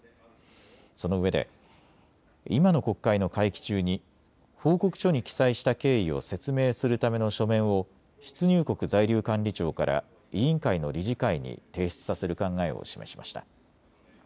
そのうえで今の国会の会期中に報告書に記載した経緯を説明するための書面を出入国在留管理庁から委員会の理事会に提出させる考えを示しました。